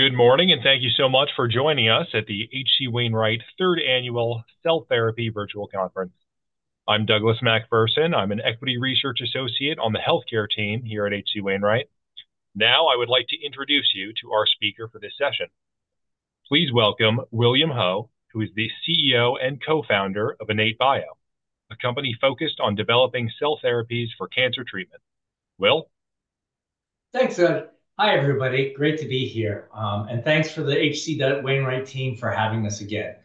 Good morning, and thank you so much for joining us at the H.C. Wainwright Third Annual Cell Therapy Virtual Conference. I'm Douglas MacPherson. I'm an Equity Research Associate on the healthcare team here at H.C. Wainwright. Now, I would like to introduce you to our speaker for this session. Please welcome William Ho, who is the CEO and Co-Founder of IN8bio, a company focused on developing cell therapies for cancer treatment. Will. Thanks, Doug. Hi, everybody. Great to be here. Thanks for the H.C. Wainwright team for having us again.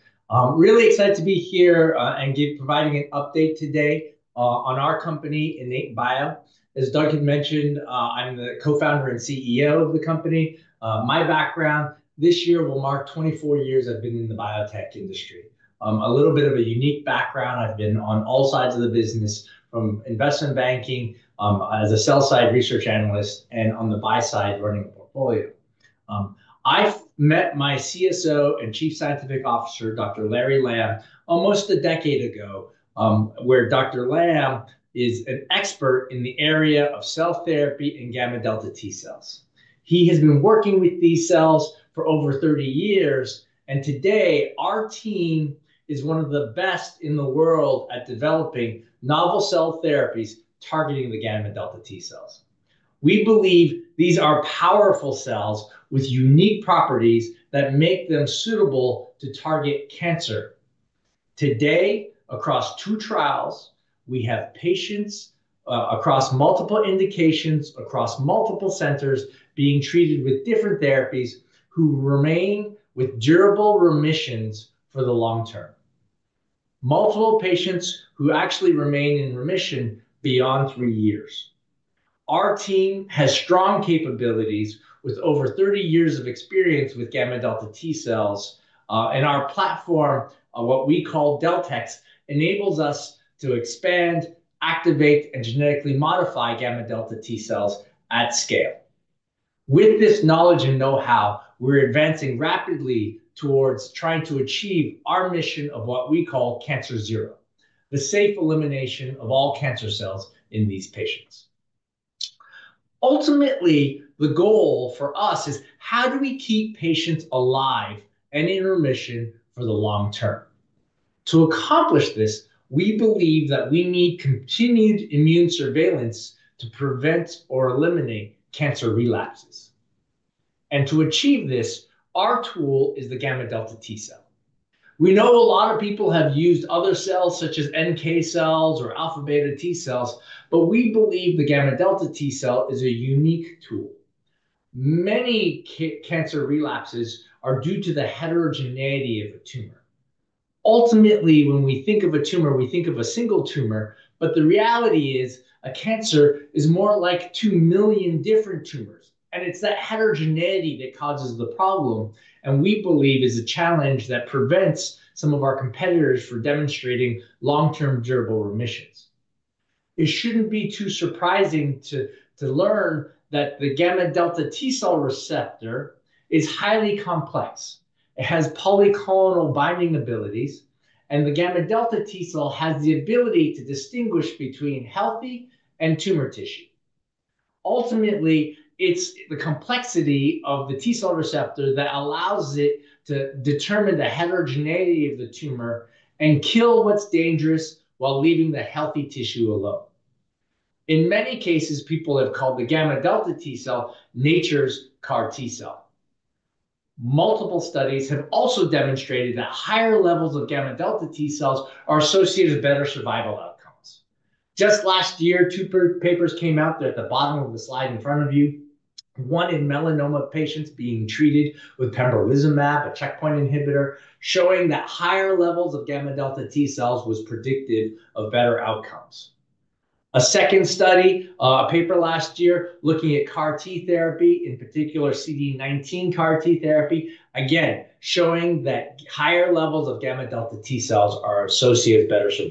Really excited to be here and providing an update today on our company, IN8bio. As Doug had mentioned, I'm the co-founder and CEO of the company. My background: this year will mark 24 years I've been in the biotech industry. A little bit of a unique background: I've been on all sides of the business, from investment banking as a sell-side research analyst and on the buy-side running a portfolio. I met my CSO and Chief Scientific Officer, Dr. Larry Lamb, almost a decade ago, where Dr. Lamb is an expert in the area of cell therapy and gamma delta T-cells. He has been working with these cells for over 30 years. Today, our team is one of the best in the world at developing novel cell therapies targeting the gamma delta T-cells. We believe these are powerful cells with unique properties that make them suitable to target cancer. Today, across two trials, we have patients across multiple indications, across multiple centers being treated with different therapies who remain with durable remissions for the long term. Multiple patients who actually remain in remission beyond three years. Our team has strong capabilities with over 30 years of experience with gamma delta T-cells. Our platform, what we call DeltEx, enables us to expand, activate, and genetically modify gamma delta T-cells at scale. With this knowledge and know-how, we're advancing rapidly towards trying to achieve our mission of what we call Cancer Zero, the safe elimination of all cancer cells in these patients. Ultimately, the goal for us is, how do we keep patients alive and in remission for the long term? To accomplish this, we believe that we need continued immune surveillance to prevent or eliminate cancer relapses. To achieve this, our tool is the gamma delta T-cell. We know a lot of people have used other cells, such as NK cells or alpha beta T-cells, but we believe the gamma delta T-cell is a unique tool. Many cancer relapses are due to the heterogeneity of a tumor. Ultimately, when we think of a tumor, we think of a single tumor. The reality is, cancer is more like 2 million different tumors. It is that heterogeneity that causes the problem, and we believe is a challenge that prevents some of our competitors from demonstrating long-term durable remissions. It shouldn't be too surprising to learn that the gamma delta T-cell receptor is highly complex. It has polyclonal binding abilities. The gamma delta T-cell has the ability to distinguish between healthy and tumor tissue. Ultimately, it's the complexity of the T-cell receptor that allows it to determine the heterogeneity of the tumor and kill what's dangerous while leaving the healthy tissue alone. In many cases, people have called the gamma delta T-cell nature's CAR T-cell. Multiple studies have also demonstrated that higher levels of gamma delta T-cells are associated with better survival outcomes. Just last year, two papers came out. They're at the bottom of the slide in front of you. One in melanoma patients being treated with pembrolizumab, a checkpoint inhibitor, showing that higher levels of gamma delta T-cells were predicted to have better outcomes. A second study, a paper last year, looking at CAR T therapy, in particular CD19 CAR T-therapy, again showing that higher levels of gamma delta T-cells are associated with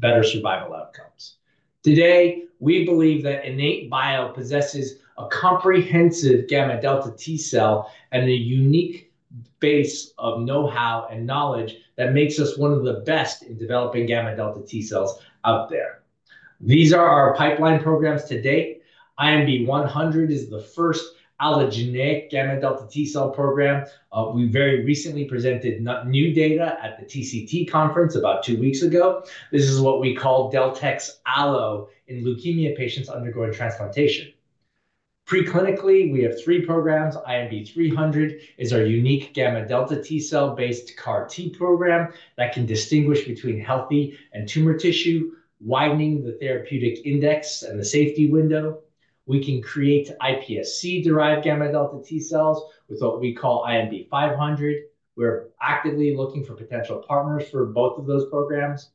better survival outcomes. Today, we believe that IN8bio possesses a comprehensive gamma delta T-cell and a unique base of know-how and knowledge that makes us one of the best in developing gamma delta T-cells out there. These are our pipeline programs to date. INB-100 is the first allogeneic gamma delta T-cell program. We very recently presented new data at the TCT conference about two weeks ago. This is what we call DeltEx Allo in leukemia patients undergoing transplantation. Preclinically, we have three programs. INB-300 is our unique gamma delta T-cell-based CAR T-program that can distinguish between healthy and tumor tissue, widening the therapeutic index and the safety window. We can create iPSC-derived gamma delta T-cells with what we call INB-500. We're actively looking for potential partners for both of those programs.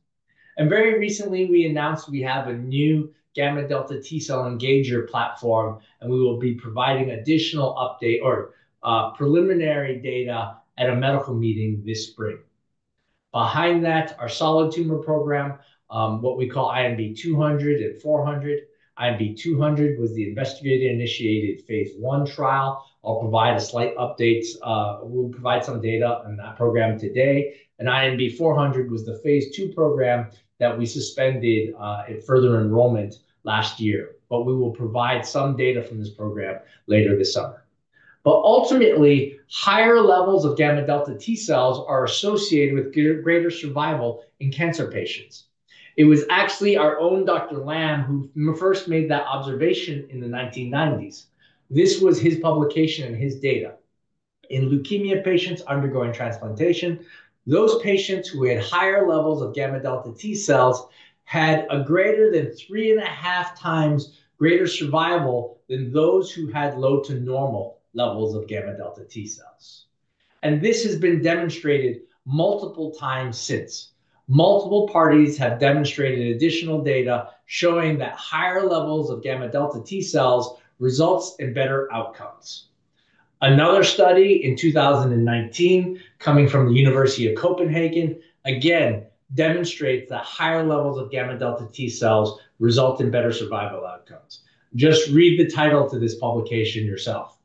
Very recently, we announced we have a new gamma delta T cell engager platform. We will be providing additional update or preliminary data at a medical meeting this spring. Behind that, our solid tumor program, what we call INB-200 and 400. INB-200 was the investigator-initiated phase one trial. I'll provide a slight update. We'll provide some data on that program today. INB-400 was the phase two program that we suspended further enrollment last year. We will provide some data from this program later this summer. Ultimately, higher levels of gamma delta T-cells are associated with greater survival in cancer patients. It was actually our own Dr. Lamb who first made that observation in the 1990s. This was his publicaton and his data. In leukemia patients undergoing transplantation, those patients who had higher levels of gamma delta T-cells had a greater than three and one-half times greater survival than those who had low to normal levels of gamma delta T-cells. This has been demonstrated multiple times since. Multiple parties have demonstrated additional data showing that higher levels of gamma delta T-cells result in better outcomes. Another study in 2019 coming from the University of Copenhagen again demonstrates that higher levels of gamma delta T-cells result in better survival outcomes. Just read the title to this publication yourself.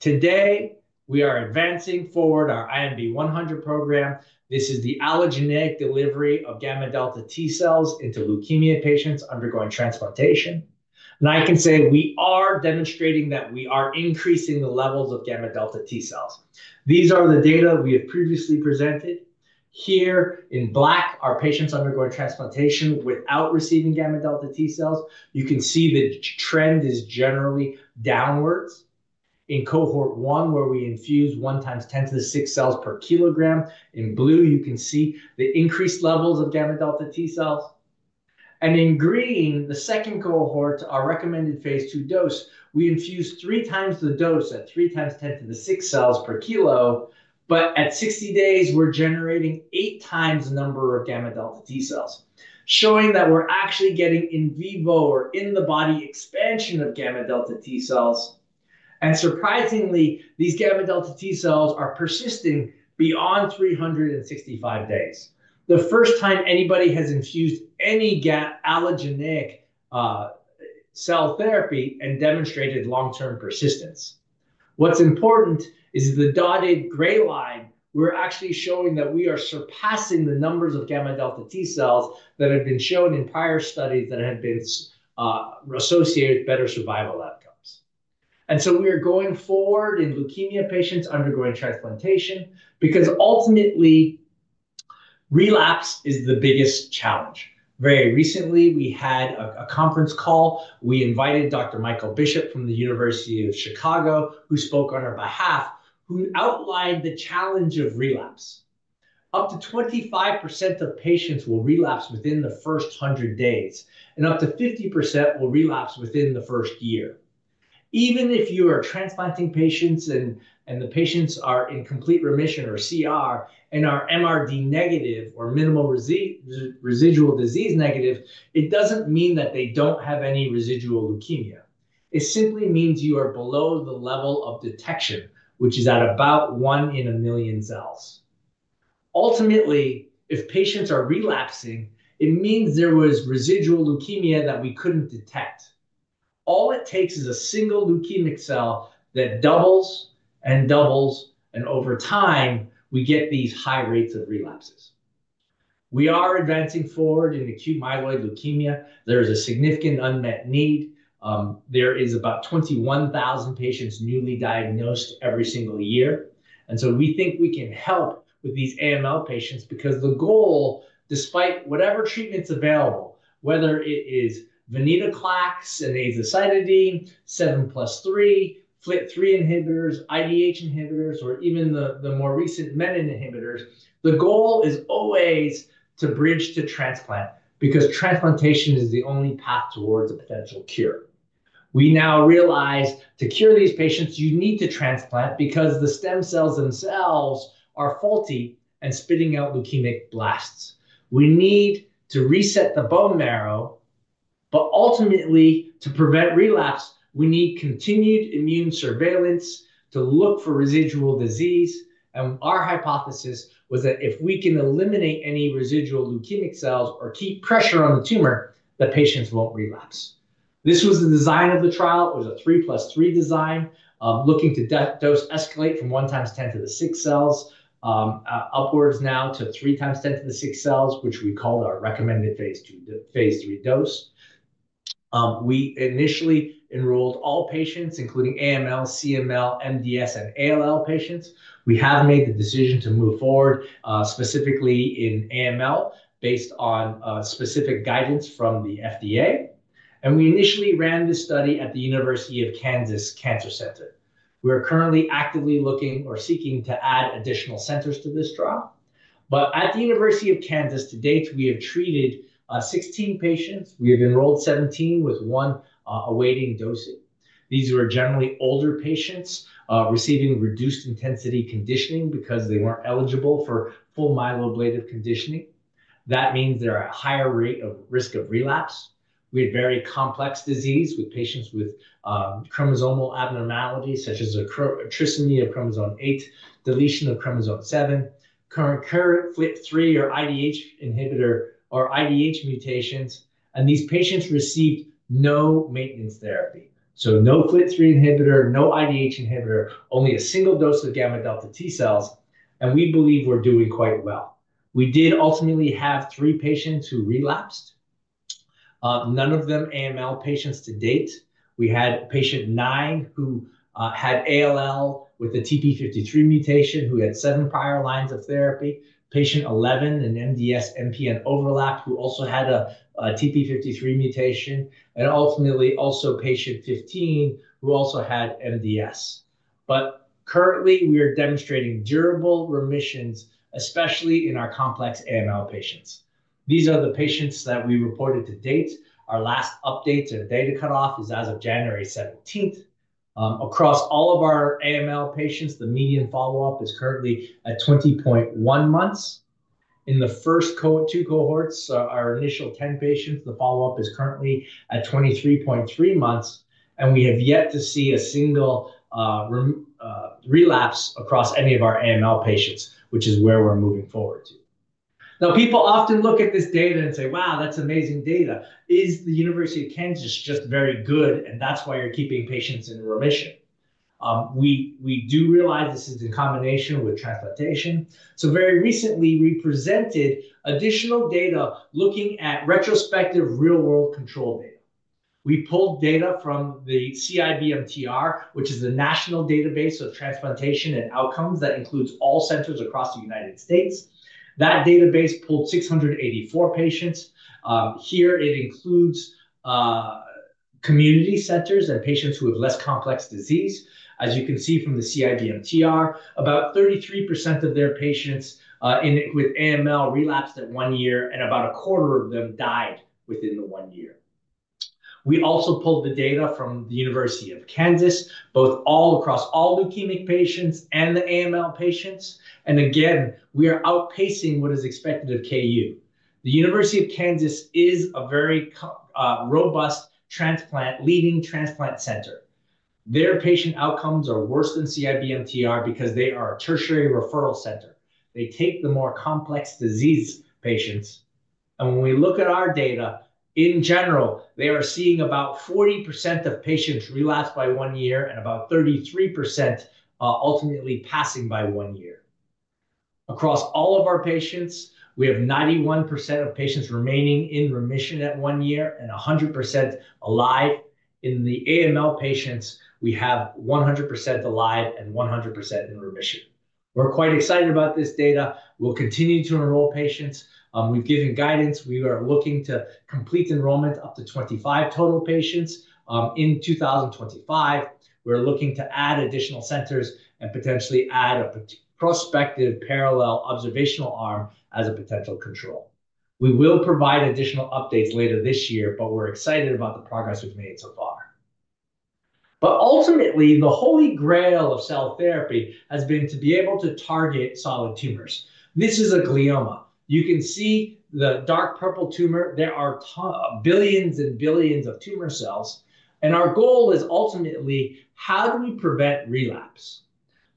Today, we are advancing forward our INB-100 program. This is the allogeneic delivery of gamma delta T-cells into leukemia patients undergoing transplantation. I can say we are demonstrating that we are increasing the levels of gamma delta T-cells. These are the data we have previously presented. Here in black are patients undergoing transplantation without receiving gamma delta T cells. You can see the trend is generally downwards. In cohort one, where we infuse 1x10 to the six cells per kg, in blue, you can see the increased levels of gamma delta T cells. In green, the second cohort, our recommended phase two dose, we infuse three times the dose at 3x10 to the six cells per kilo. At 60 days, we are generating eight times the number of gamma delta T cells, showing that we are actually getting in vivo or in the body expansion of gamma delta T cells. Surprisingly, these gamma delta T cells are persisting beyond 365 days, the first time anybody has infused any allogeneic cell therapy and demonstrated long-term persistence. What is important is the dotted gray line. We're actually showing that we are surpassing the numbers of gamma delta T cells that have been shown in prior studies that have been associated with better survival outcomes. We are going forward in leukemia patients undergoing transplantation because ultimately, relapse is the biggest challenge. Very recently, we had a conference call. We invited Dr. Michael Bishop from the University of Chicago, who spoke on our behalf, who outlined the challenge of relapse. Up to 25% of patients will relapse within the first 100 days, and up to 50% will relapse within the first year. Even if you are transplanting patients and the patients are in complete remission or CR and are MRD negative or minimal residual disease negative, it doesn't mean that they don't have any residual leukemia. It simply means you are below the level of detection, which is at about 1 in a million cells. Ultimately, if patients are relapsing, it means there was residual leukemia that we couldn't detect. All it takes is a single leukemic cell that doubles and doubles. Over time, we get these high rates of relapses. We are advancing forward in acute myeloid leukemia. There is a significant unmet need. There are about 21,000 patients newly diagnosed every single year. We think we can help with these AML patients because the goal, despite whatever treatment's available, whether it is venetoclax, azacitidine, 7+3, FLT3 inhibitors, IDH inhibitors, or even the more recent menin inhibitors, the goal is always to bridge to transplant because transplantation is the only path towards a potential cure. We now realize to cure these patients, you need to transplant because the stem cells themselves are faulty and spitting out leukemic blasts. We need to reset the bone marrow. Ultimately, to prevent relapse, we need continued immune surveillance to look for residual disease. Our hypothesis was that if we can eliminate any residual leukemic cells or keep pressure on the tumor, the patients will not relapse. This was the design of the trial. It was a 3+3 design, looking to dose escalate from 1 times 10 to the 6 cells upwards now to 3x10 to the six cells, which we called our recommended phase two dose. We initially enrolled all patients, including AML, CML, MDS, and ALL patients. We have made the decision to move forward specifically in AML based on specific guidance from the FDA. We initially ran this study at the University of Kansas Cancer Center. We are currently actively looking or seeking to add additional centers to this trial. At the University of Kansas to date, we have treated 16 patients. We have enrolled 17 with one awaiting dosing. These were generally older patients receiving reduced intensity conditioning because they were not eligible for full myeloablative conditioning. That means there is a higher rate of risk of relapse. We had very complex disease with patients with chromosomal abnormalities such as a trisomy of chromosome 8, deletion of chromosome 7, current FLT3 or IDH inhibitor or IDH mutations. These patients received no maintenance therapy, so no FLT3 inhibitor, no IDH inhibitor, only a single dose of gamma delta T cells. We believe we are doing quite well. We did ultimately have three patients who relapsed. None of them AML patients to date. We had Patient 9 who had ALL with a TP53 mutation, who had seven prior lines of therapy, patient 11, an MDS-MPN overlap, who also had a TP53 mutation. Ultimately, also patient 15, who also had MDS. Currently, we are demonstrating durable remissions, especially in our complex AML patients. These are the patients that we reported to date. Our last update to the data cutoff is as of January 17. Across all of our AML patients, the median follow-up is currently at 20.1 months. In the first two cohorts, our initial 10 patients, the follow-up is currently at 23.3 months. We have yet to see a single relapse across any of our AML patients, which is where we're moving forward to. Now, people often look at this data and say, "Wow, that's amazing data. Is the University of Kansas just very good? That's why you're keeping patients in remission?" We do realize this is in combination with transplantation. Very recently, we presented additional data looking at retrospective real-world control data. We pulled data from the CIBMTR, which is the National Database of Transplantation and Outcomes. That includes all centers across the United States. That database pulled 684 patients. Here, it includes community centers and patients who have less complex disease. As you can see from the CIBMTR, about 33% of their patients with AML relapsed at one year, and about a quarter of them died within the one year. We also pulled the data from the University of Kansas, both all across all leukemic patients and the AML patients. Again, we are outpacing what is expected of KU. The University of Kansas is a very robust leading transplant center. Their patient outcomes are worse than CIBMTR because they are a tertiary referral center. They take the more complex disease patients. When we look at our data, in general, they are seeing about 40% of patients relapse by one year and about 33% ultimately passing by one year. Across all of our patients, we have 91% of patients remaining in remission at one year and 100% alive. In the AML patients, we have 100% alive and 100% in remission. We're quite excited about this data. We'll continue to enroll patients. We've given guidance. We are looking to complete enrollment up to 25 total patients in 2025. We're looking to add additional centers and potentially add a prospective parallel observational arm as a potential control. We will provide additional updates later this year, but we're excited about the progress we've made so far. Ultimately, the holy grail of cell therapy has been to be able to target solid tumors. This is a glioma. You can see the dark purple tumor. There are billions and billions of tumor cells. Our goal is ultimately, how do we prevent relapse?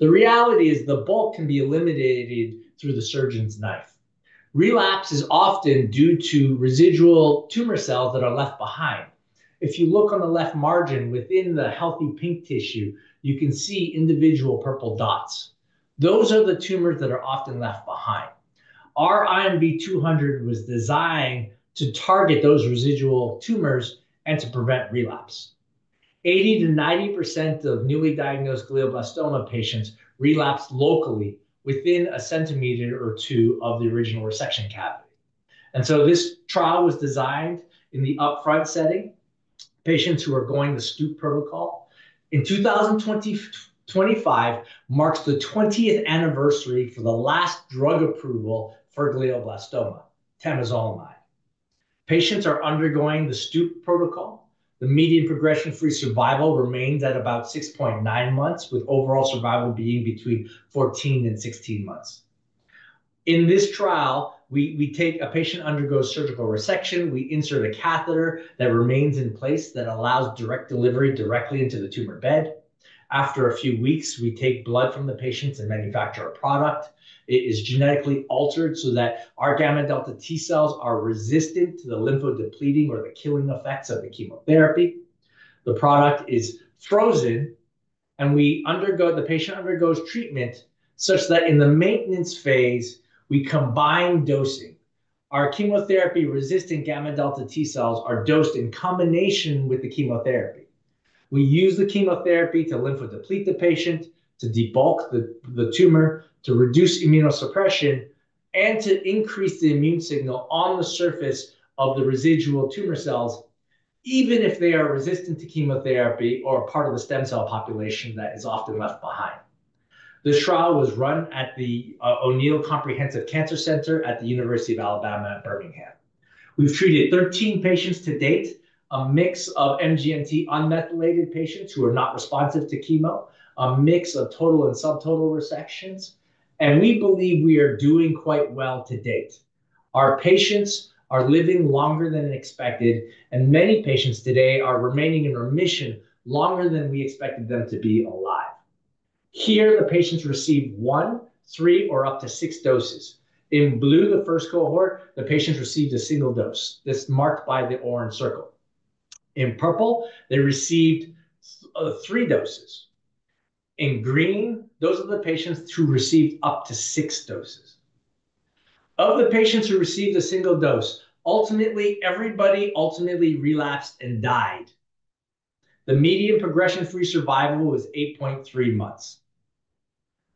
The reality is the bulk can be eliminated through the surgeon's knife. Relapse is often due to residual tumor cells that are left behind. If you look on the left margin within the healthy pink tissue, you can see individual purple dots. Those are the tumors that are often left behind. Our INB-200 was designed to target those residual tumors and to prevent relapse. 80%-90% of newly diagnosed glioblastoma patients relapse locally within a centimeter or two of the original resection cavity. This trial was designed in the upfront setting, patients who are going the Stupp protocol. In 2025, marks the 20th anniversary for the last drug approval for glioblastoma, temozolomide. Patients are undergoing the Stupp protocol. The median progression-free survival remains at about 6.9 months, with overall survival being between 14 and 16 months. In this trial, we take a patient, undergoes surgical resection. We insert a catheter that remains in place that allows direct delivery directly into the tumor bed. After a few weeks, we take blood from the patients and manufacture a product. It is genetically altered so that our gamma delta T-cells are resistant to the lymphodepleting or the killing effects of the chemotherapy. The product is frozen, and the patient undergoes treatment such that in the maintenance phase, we combine dosing. Our chemotherapy-resistant gamma delta T-cells are dosed in combination with the chemotherapy. We use the chemotherapy to lymphodeplete the patient, to debulk the tumor, to reduce immunosuppression, and to increase the immune signal on the surface of the residual tumor cells, even if they are resistant to chemotherapy or a part of the stem cell population that is often left behind. This trial was run at the O'Neal Comprehensive Cancer Center at the University of Alabama at Birmingham. We've treated 13 patients to date, a mix of MGMT unmethylated patients who are not responsive to chemo, a mix of total and subtotal resections. We believe we are doing quite well to date. Our patients are living longer than expected, and many patients today are remaining in remission longer than we expected them to be alive. Here, the patients receive one, three, or up to six doses. In blue, the first cohort, the patients received a single dose. This is marked by the orange circle. In purple, they received three doses. In green, those are the patients who received up to six doses. Of the patients who received a single dose, ultimately, everybody ultimately relapsed and died. The median progression-free survival was 8.3 months.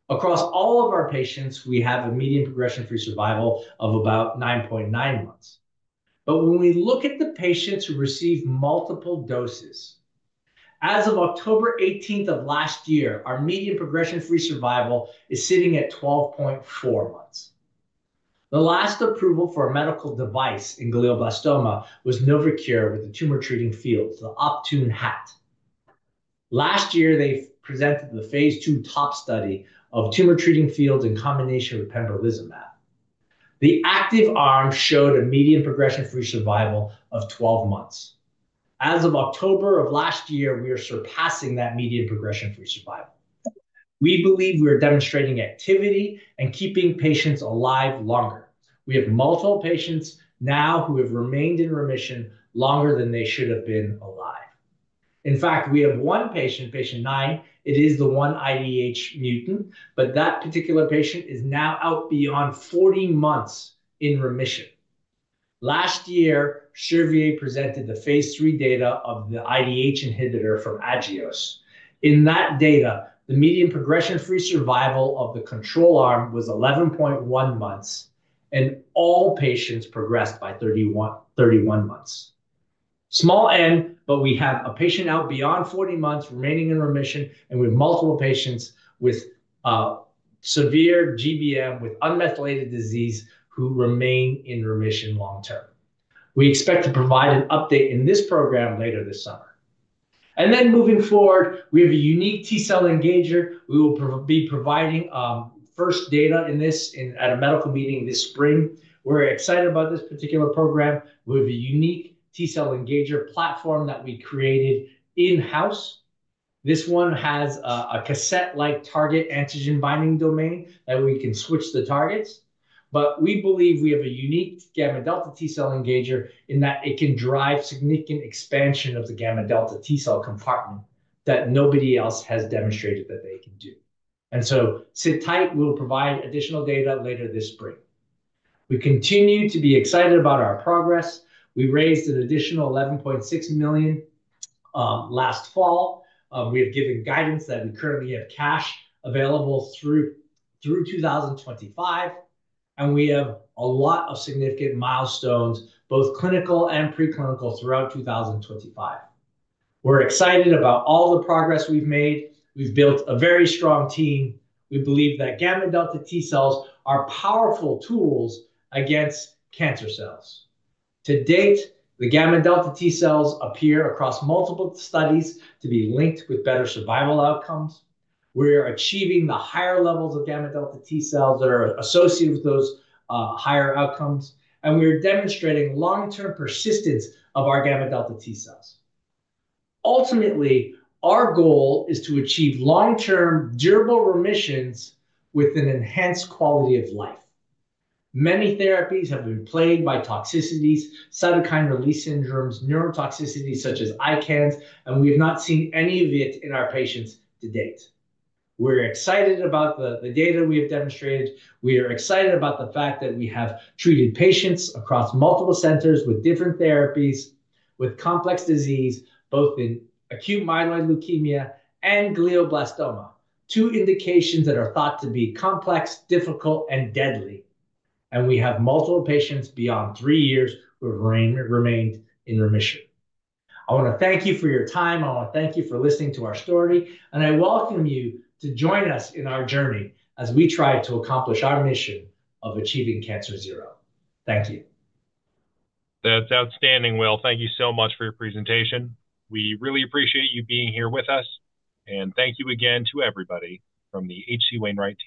Across all of our patients, we have a median progression-free survival of about 9.9 months. When we look at the patients who receive multiple doses, as of October 18 of last year, our median progression-free survival is sitting at 12.4 months. The last approval for a medical device in glioblastoma was Novocure with the tumor treating fields, the Optune hat. Last year, they presented the Phase II top study of tumor treating fields in combination with pembrolizumab. The active arm showed a median progression-free survival of 12 months. As of October of last year, we are surpassing that median progression-free survival. We believe we are demonstrating activity and keeping patients alive longer. We have multiple patients now who have remained in remission longer than they should have been alive. In fact, we have one patient, Patient 9. It is the one IDH mutant, but that particular patient is now out beyond 40 months in remission. Last year, Servier presented the Phase III data of the IDH inhibitor from Agios. In that data, the median progression-free survival of the control arm was 11.1 months, and all patients progressed by 31 months. Small N, but we have a patient out beyond 40 months remaining in remission, and we have multiple patients with severe GBM with unmethylated disease who remain in remission long-term. We expect to provide an update in this program later this summer. Moving forward, we have a unique T-cell engager. We will be providing first data in this at a medical meeting this spring. We're excited about this particular program. We have a unique T-cell engager platform that we created in-house. This one has a cassette-like target antigen binding domain that we can switch the targets. We believe we have a unique gamma delta T-cell engager in that it can drive significant expansion of the gamma delta T-cell compartment that nobody else has demonstrated that they can do. Sit tight. We'll provide additional data later this spring. We continue to be excited about our progress. We raised an additional $11.6 million last fall. We have given guidance that we currently have cash available through 2025, and we have a lot of significant milestones, both clinical and preclinical, throughout 2025. We're excited about all the progress we've made. We've built a very strong team. We believe that gamma delta T-cells are powerful tools against cancer cells. To date, the gamma delta T-cells appear across multiple studies to be linked with better survival outcomes. We are achieving the higher levels of gamma delta T-cells that are associated with those higher outcomes, and we are demonstrating long-term persistence of our gamma delta T-cells. Ultimately, our goal is to achieve long-term durable remissions with an enhanced quality of life. Many therapies have been plagued by toxicities, cytokine release syndromes, neurotoxicities such as ICANS, and we have not seen any of it in our patients to date. We're excited about the data we have demonstrated. We are excited about the fact that we have treated patients across multiple centers with different therapies with complex disease, both in acute myeloid leukemia and glioblastoma, two indications that are thought to be complex, difficult, and deadly. We have multiple patients beyond three years who have remained in remission. I want to thank you for your time. I want to thank you for listening to our story, and I welcome you to join us in our journey as we try to accomplish our mission of achieving Cancer Zero. Thank you. That's outstanding, Will. Thank you so much for your presentation. We really appreciate you being here with us. Thank you again to everybody from H.C. Wainwright.